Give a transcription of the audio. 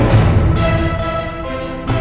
jangan lupa joko tingkir